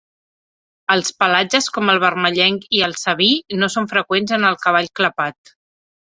Els pelatges com el vermellenc i el saví no són freqüents en el cavall clapat.